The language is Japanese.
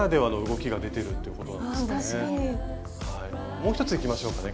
もう１ついきましょうかね。